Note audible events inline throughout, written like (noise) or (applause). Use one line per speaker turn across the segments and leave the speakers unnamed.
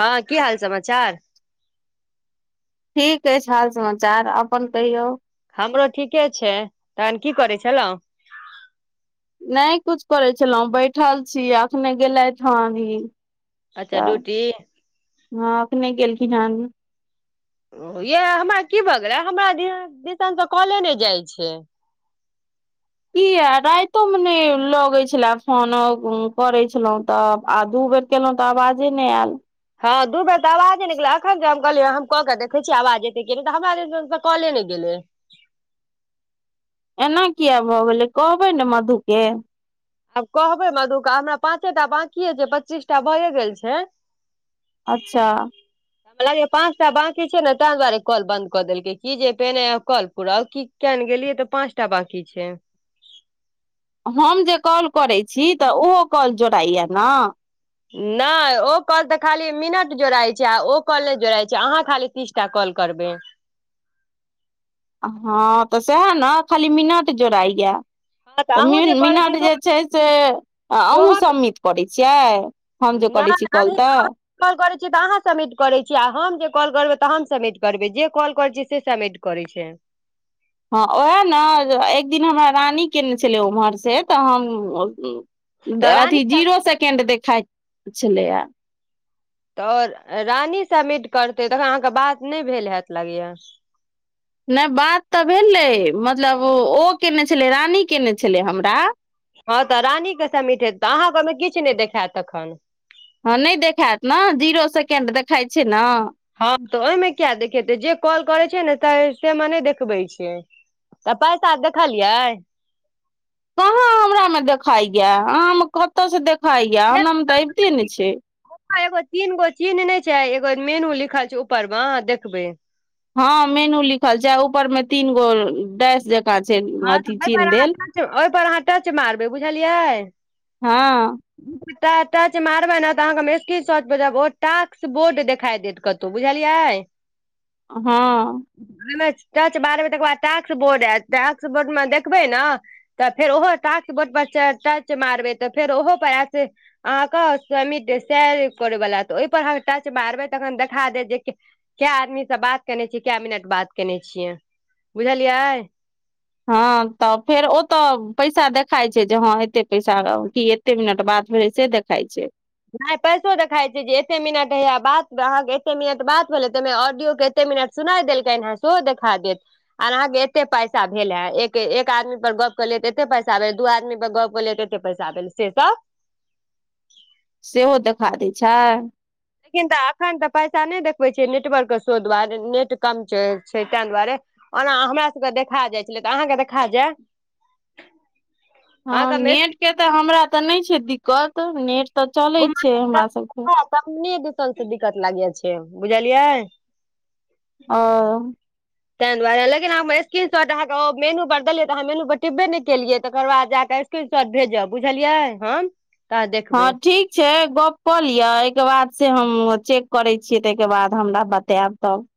हँ की हाल समाचार
ठीक अछि हाल समाचार अपन कहियौ
हमरो ठीके छै तहन की करै छलहुँ
नहि कुछ करै छलहुँ बैठल छी अखने गेलथि ई
अच्छा ड्यूटी
हँ अखने गेलेखीन है
यै यह हमरा की भऽ गेलै हमरा दिसन से काॅले नहि जाइ छै
किया रातो में नहि लोग्य छले फोन करे छलहुं तऽ आ दू बेर केलहुँ तऽ आवाजे नहि आयल
हँ दू बेर त आवाजे नहि गेलै अखन हम कहलियै हम कऽ के देखै छीयै आवाज एत हमरा दिसन‌ से कले नहि गेलै
एना किया भऽ गेलै कहबै ने मधु के
आब कहबै मधु के हमरा पाँचे टा बाकीए छै पच्चीसटा भऐ गेल छै
अच्छा
कह पाँचटा बाँकी छै ने ताहि दुआरे कॉल बन्द कऽ देलकै क जे पहिने काल पूराउ क क्या नहि गेलियै तऽ पाँंच टाऽ बाकी छै
हम जे कॉल करैत छी त ओहो कॉल जोड़ाइया ने
नहि ओ कॉल त खाली मिनट जोड़इत छै आ ओ कॉल नहि जोड़इत छै अहाँ खाली तीसटा कॉल करबै
हँ त सएह ने खाली मिनट जोड़ाइए
हँ तऽ
त
अहूँ
मिन
जे करै छियै
मिनट
से
जे छै से अहूँ
सेहो
सम्मित करैत छियै हमँ जे
नहि
करै छी काॅल
अहीं
तऽ
कॉल करै छीय तऽ अहाँ सबिट करै छी आ हम जे कॉल करबै तऽ हम सबमिट करबै जे कॉल करै छीयै से सबिट करै छै
हँ उएह ने एक दिन हमरा रानी कयने छलै ओम्हरसँ त हम
तऽ रानी
अथी
सब
जीरो सेकेंड देखाइ छलैए
तऽ आओर रानी सबिट करतै तखन अहाँके बात नहि भेल होयत लागैया
नै बात तऽ भेलै मतलब ओ केने छलै रानी केने छलै हमरा
हँं त रानी के समिट हेतइ अहाँके ओहिमे किछ ने देखायत तखन
हँ नहि देखायत ने जीरो सेकेंड देखाइत छै ने
हँ त ओहिमे किया देखेते जे कॉल करै छै न तहि मे नहि देखबै छियै त पैसा देखलियै
कहाँ हमरा मे देखाइया अहा मे कतऽ से देखाइया हमरा मे तऽ अबिते ने छै
ह एगो तीनगो चिन्ह नहि छै एगो मेनू लिखल छै ऊपर मे देखबै
हँ मेनू लिखल छै ऊपर में तीन गो डैश जे
हँ तऽ ओय पर अहाँ टच ओहि पर अहाँ टच मारबै बुझलियै
हँ
च मारबै ने त अहाँक हम स्क्रीनसट भेजबटास्क बोर्ड देखा देत कत तऽ बुझलिय आय
हँ
ओमे टच करबै त बाद टाक्स बोर्ड आयत टाक्स बोर्ड में देखबै ने त फेर ओहो टास्क बोर्ड पर टच मारबै त फेर ओहो पया से अहाँके स्वमित स करैवला त ओहिपर अह टच मारबै तखन देखा दे जे क्या आदमी से बात केने छियै क्या मिनट बात केने छियै बुझलियै
हाँ तऽ फेर ओ तऽ पैसा देखाई छै जे हाँ एते पैसा है कि कते मिनट बाद भेल से देखाई छै
नहि पैसो देखाइत छै जे एते मिनट हय बात अहाँ के एते मिनट बात भेलै ता में ऑडियो के मिनट सुनाय देलकनि हे सेहो देखा देत आर अहाँ के एते पैसा भेल हेत एक आदमी पर गप्प केलियै तऽ एते पैसा भेल दू आदमी पर गप्प केलियै त पैसा भैल से त
सेहो देखा दै छै
लेकिन त एखन त पैसा नहि देखबै छियै नेटवर्क के शो दुआरे नेट कम छै ताहि दुआरे ओना हमरा सबके देखा जाइ छलै त अहाँके देखा जाय
(unintelligible) हँ नेट
अहाँके
के त हमरा त नहि छै दिक्कत नेट त चले छै हमरा सबके
तने दिसन से दिक्कत लागे छै बुझलियै
ओ उ
तैए दुआरे लेकिन हमर स्क्रीन शॉट अहाँ के मेनू पर देलियै त अहाँ मेनू पर टिपबै नै केलियै तकर बाद जाकऽ स्क्रिनशॉट भेजब बुझलियै हम तऽ अहाँ
हाँ
देखबै
ठीक छै गप क लिए एहिके बाद से हम चेक करै छियै ताहिके बाद हमरा बतायब तब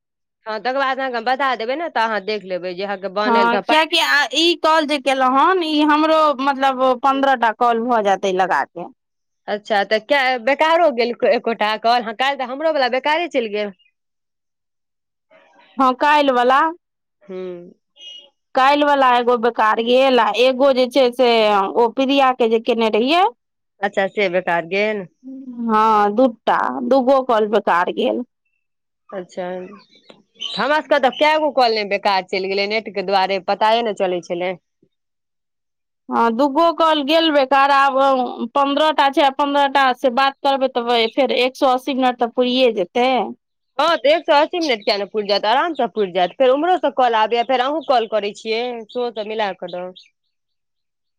हाँ तकर बाद अहाँ के बता देबय ने तऽ अहाँ देख लेबै जे बनल
हँ
पाइ।
कियाकि आ ई ताॅल जे केलहुँ हेन ई हमरो मतलब पन्द्रह टा कॉल भऽ जायतै लगा के
अच्छा त किया बेकारो गेल एकोटा कल ह काल्हि त हमरो वाला बेकारे चलि गेल
हाँ काल्हि वाला
हू
काल्हि वाला एगो बेकार गेल आ एगो जे छै से प्रिया के जे केने रहियै
अच्छा से बेकार गेल अर्गेन
हँ दूटा दूगो कौल बेकार गेल
अच्छा हमरा सबके तऽ क गो कॉल नहि बेकार चलि गेलै नेट के दुआरे पताए ने चलै छलै
हँ दूगो काल गेल बेकार आब पन्द्रह टा छै आ पन्द्रहटा से बात करबै तब फेर एक सौ अस्सी मिनट तऽ पुरे जेतै
हँ तऽ एक सए अस्सी मिनट कििया नहि पुरि जात आरामसँ पुरि जात फेरम्होसँ कलबैय फेर अहूँ कॉल कर छियै शो तऽ मिलाकद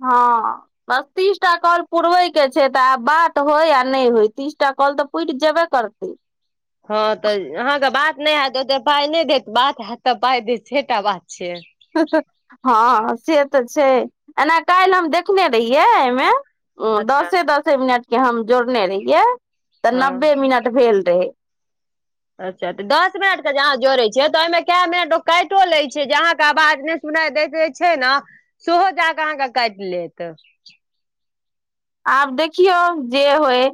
हँ बस तीस टा कॉल पुरबैके छै तऽ आब बात होय आ नहि होय तीसटा कॉल तऽ उठ जेबे करतै
हँ तऽ अहाँके बात नहि हैत ओते पााय नहि देत बात हत तऽ पााय देत छटा बात छिय
हँ से तऽ छै एना काल्हि हम देखने रहियै एहिमे उ
अच्छा
दसे दसे मिनट के हम जोड़ने रहिये तऽ
हँ
नब्बे मिनट भेल रहे
अच्छा तऽ दस मिनट के जहाँ जोड़े छिय तऽ ओहिमे कए मिनट ओ काटियो लै छै जे अहाँके आवाज नहि सुनाइ दैत जे छै ने सेहो ज कऽ अहाँके काटि लेत
आब देखियौ जे होय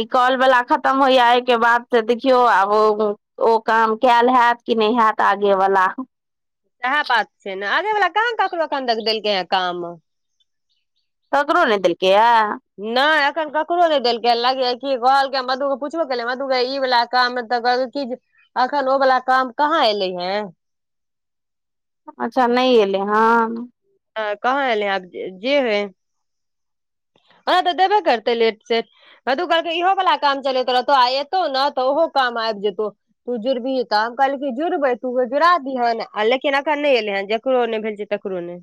ई कॉल बाला खतम होइय एहि के बाद से देखियौ आब ओ काम कैल हैत कि नहि हैत आगे वला
इएह बात छै ने आबे वाला कहाँ ककरो एखन तक देलकै हे काम
ककरो नहि देल‌इकै या
नहि एखन ककरो नहि देलकै लग इ है की कहलक मधु के पूछबो केलै मधु ई वाल काम मे तऽ कह क जे अखन ओ वालला काम कहाँ एले हे
अच्छा नहि एलै हँ
कहाँ एलै आब जे होइ हँ तऽ देबे करतै लेट सेट हँ तू कहलक इहो वाला काम चलैत रहतौ आ एतौ ने तऽ ओहो काम आबि जेतौ तू जुड़बिही तऽ हम कहलक कि जुड़बै तू जुड़ा दीहेन आ लेकिन एखन नहि एलै हे जकरो नहि भेल जे ककरो ने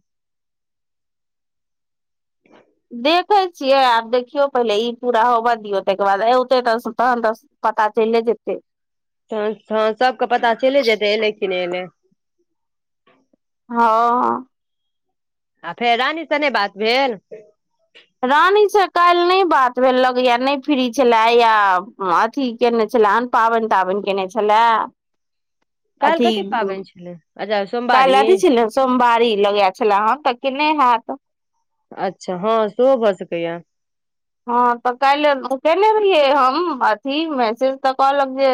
देखे छियै आब देखियौ पहिले ई पूरा होबऽ दियौ ताहिके बाद औते त तहन त पता चलि जेतै
त हँ सबके पता चले जेतै एलै कि नहि एलै
हँ ओ
आ फेर रानी स नहि बात भेल
रानीसँ काल्हि नहि बात भेलक या नहि फ्री छलै या अथी केने छल पाबनि ताबनि केने छलै
कालिह कथी पाबनि छलै अजा
कल्हि अथी छलै सोमवारी लगे छले हेँ तऽ केने हैत
अच्छा हँ सेहो भऽ सकैया
हँ तऽ काल्हि उतने रहि हम अथी मैसेज तऽ कहलक जे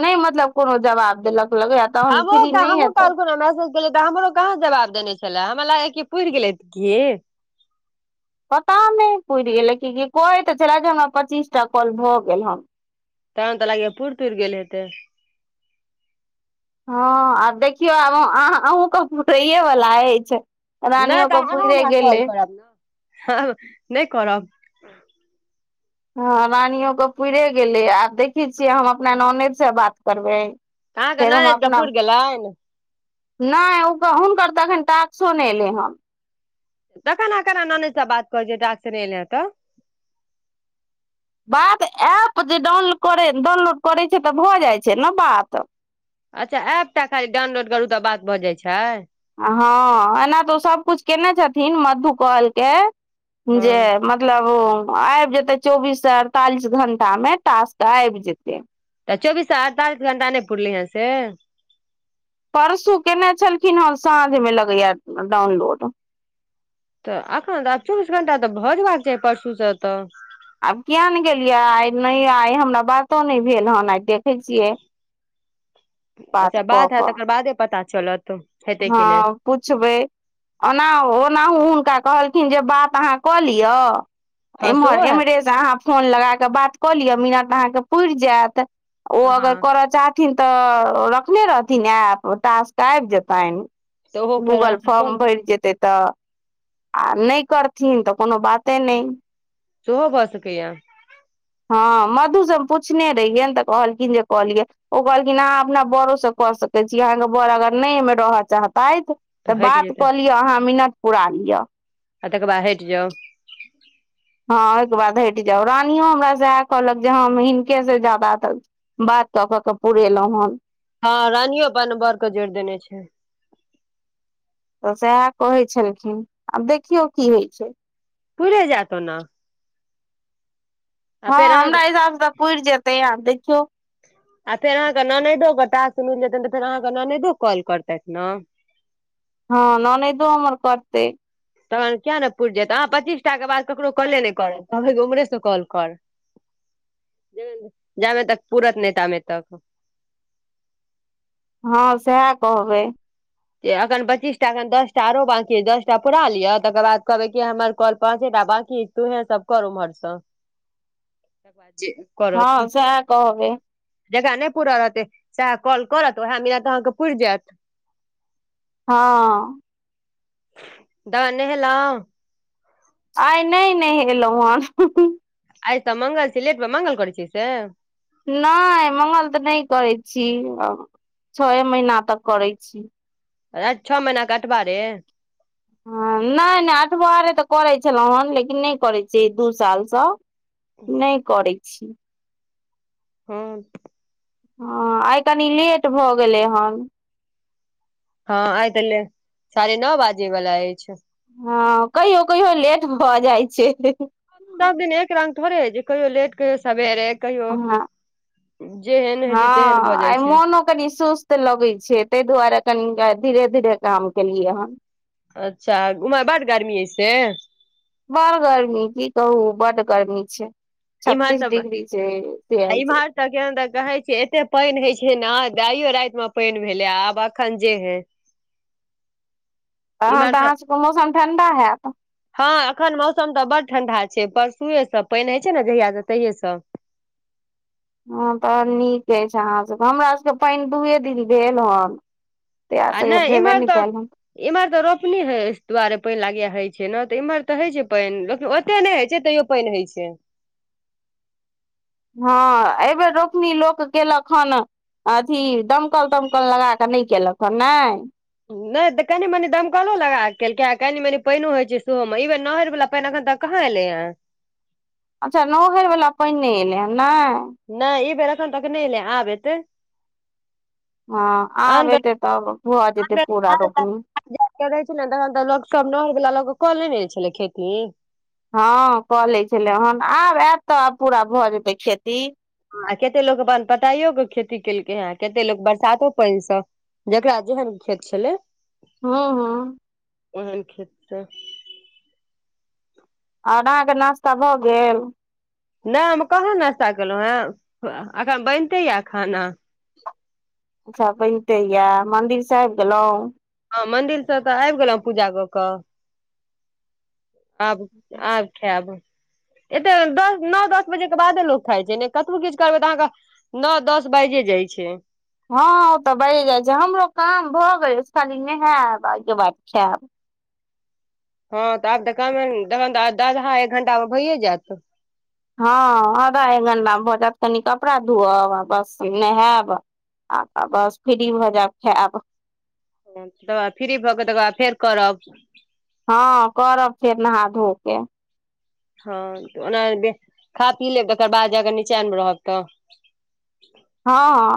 नहि मतलब कोनो जवाब देलक लगैया
ह
तहन फ्री नहि
हम
हेतै
पालकेज (unintelligible) तऽ हमरो कहाँ जवाब देने छलै हमरा लागै क पुर गेलै की
पता नहि पुरि गेलै क कहे त छले जे हमरा पच्चीसटा कॉल भऽ गेल हन
तबन तऽ लागि पुर तुर गेल हेतै
हँ आ देखियौ आब अहुके होए वला अछि
नहि
रानियो
तऽ
के
अहाँ
पुरे
हमरा कॉल
गेलै
करब ने नहि करब
हँ रानियोके पूरे गेलै आ देखै छियै हम अपना नानेदसँ बात करबै
अहाँ कें
फेर हम
ननैद कें
अपना
पूर गेलैन
नहि हुनकर तऽ एखन टाक्सो नहि एलै हन
तखन अहाँ केना ननैद सँ बात करिय छिय टॉक्स नहि एलय तं
बात एप जे डाउनलै डाउनलोड करै छै तऽ भऽ जाइ छै ने बात
अच्छा ऐप टा खाली डाउनलोड करू तऽ बात भऽ जाइत छै
हँ एना तऽ ओ सभकिछु कयने छथिन मधु कहलके
हँ
जे मधु मतलब आबि जेते चौबीस अड़तालीस घंटा मे तास्क आबि जेते
तऽ चौबीस अड़तालीस घंटा नहि पुरलै हँ से
परसू केने छलखिन हेँ साँझ मे लगैया डाउनलोड
तऽ एखन तऽ आब चौबीस घंटा तऽ भऽ जबाक चाही परसूसँ तऽ
आब किया नहि गेलियै आइ नहि आइ हमरा बातो नहि भेल हेन आइ देखैत छियै
अच्छा
कऽ
बात हय
कऽ
तकर बादे पता चलत हेतै
हँ
कि नहि
पुछबै ओना ओनाहु हुनका कहलखिन जे बात अहाँ कऽ लिय
हँ सेहो
एम्हर
हैत
एम्हरेसँ अहाँ फोन लगा कऽ बात कऽ लिअ मिनत अहाँके पुरि जायत ओ अगर
हँ
कर चाहथिन तऽ रखने रहथिन आ तासक आबि जेतै पानि
तऽ ओहो फेर अहाँ
गूगल
सब कऽ
फॉर्म भरि जेतै तऽ आ नहि करथिन तऽ कोनो बाते नहि
सुहो ब सकै याँ
हँ मधु से हम पूछने रहियै ने तऽ कहलखिन जे कहलियै ओ कहलखिन अहाँ अपना बड़ोसँ कऽ सकैत छी अहाँके बड़ अगर नहि एहिमे रहय चाहतैथ तऽ
हटि
बात
जेतै
कऽ लिअ अहाँ मिनट पुरा लिअ
आ तइकबा हैट जाउ
हँ ओहिके बाद हटि जाउ रानियो हमरा सैहे कहलक जे हँ हिनकेसँ ज्यादा बात तऽक के पुरेलहुं हन
हँ रानियो अपन बौर के जोड़ देने छै
तऽ सएह कहै छलखिन आब देखियौ की होइ छै
पूरे जात ओना आ
हँ
फेर अहाँके
हमरा हिसाब से त पुरि जेतै आ देखियौ
आ फेरहाँके ननैदोटास मिल जेतनि तऽ फेर अहाँके ननैदो कॉल करतथि ने
हँ ननइदो हमर करते
तहन किया ने पुरि जायत अहाँ पच्चीसटा के बाद ककरो कॉले नहि करब कह उमहरे से कॉ कर
(inaudible)
जा जाबे तक पूरत नहि ताबे तक
हँ सए कहबै
अखन पच्चीसटाखन दश टा आरो बाकी दस टा पुरा लिअ तकर बाद कहबै कि हमर कॉल पाँचेटा बाकी तू हे सब कर ओमरस
(inaudible)
जी करत
हँ सएह कहबै
जकरा नहि पूरल रहतै स कॉल करत ओएह मिन तऽ अहाँके पुर जायत
हँ
तह नेहल‌उ
आइ नहि नहेलहुँ हेँ
आइत मंगल ची लेट बा मंगाल कोर इ छिस
नहि मंगल तऽ नहि करै छी छय महीना तक करैत छी
अ छओ महिना कटबा रे
ह नहि नहि अठबरे तऽ करे छलहुं हेन लेकिन नहि करे छि दू साल से नहि करै छी
हँ
हँ आइ कनि लेट भऽ गेलै हन
हँ आइ ते साढ़े नओ बाजे वला अछि
हँ कहियो कहियो लेट भऽ जाइ छै
सब दिन एक रङंग थोड़े हइ कहियौ लेट कहियौ सबेरे कहियो
हँ
जेहन होइ छै तेहन भऽ जाइ छै
कनी सुस्त लगै छै ताहि दुआरे कनि धीरे धीरे काम केलियै हन
अच्छा ओमहर बड्ड गर्मी ऐ से
बड़ गर्मी जी कह बड्ड गर्मी छै
इम्हर
छत्तीस
तऽ
डिग्री छै
आ
सेल छै
इम्हर केहन तऽ कहै छियै एते पानि हय छै ने आइयो राति मे पानि भेले आब अखन जे हे
तन तऽ मौसम ठडा हैत
हँ अखन मौसम तऽ बड्ड ठंडा छै परसुए सब पानि होइ छै ने जहिया से तहिये सब
हँ तऽ नीक अछि अहाँसभके हमरा सभके पानि दूए दिन भेल हन तहिआ
आ
स भेबै
इम्हर
नहि
तऽ
कैल हन
इम्हर तऽ रोपनी दुआरे पानि लागे होइ छै ने तऽ इम्हर तऽ होइ छै पानि लेकिन ओते नहि होइ छै तैयो पानि होइ छै
हँ एहिबेर रोपनी लोक केलक हन अथी दमकल तमकल लगा कऽ नहि केलक हन नहि
नहि तऽ कनी मनी दमकलो लगा केल क कनी मनी पानि होइ छै सेहो मे ई बेर नहर वला पानि एखन तक कहाँ एलै यै
अच्छा नहइर वला पइन नहि एयलै हँ नहि
नहि ई बेर एखन तक नहि ले आब एतै
हँ आब
आन बेर
एतै तब भऽ
आन
जेतै पूरा रोपनी
रहै बेर छलै ने तखन तऽ लोक सब नहर वला लोक कऽ लेने छलै खेती
हँ कऽ ले छलै हन आब आयत तऽ आब पूरा भऽ जेतै खेती
आ कते लोक अपन पताइयो क खेती केलकै हे कते लोक बरसातो पानिस जेकरा जेहन खेत छलै
हँ हँ
ओहन खेतसँ
अहाँके नास्ता भऽ गेल
नहि हम कहाँ नास्ता केलहुँ हे अखन बनिते यए खाना
अच्छा बनिते यए मंदिर स आइब गेलहुँं
हँ मंदिर से तऽ आबि गेलहुं पूजा कऽ कऽ आब आ खायब एतऽ दस नओ दस बजेके बादे लोक खाइ छै ने कतबो किछु करबै तऽ अहाँके नअ दस बाजिये जाइ छै
हँ ओ तऽ बढ़ि जाइ छै हमरो काम भऽ गेल अछि खाली नहायब आके बाद खायब
हँ तऽ आब तऽमेनऽ दशधा एक घंटा मे भइए जायत
हँ आधा एक घण्टामे भऽ जायत कनि कपड़ा धोअब आ बस नहायब आ तऽ बस फ्री भऽ जायब छै खैव
तकराद फ्री भऽ के तकर बाद फेर करब
हँ करब फेर नहा धो के
हँ ओना खा पी लेब तकर बाद जे अगर नीचा मे रहव तऽ
हँ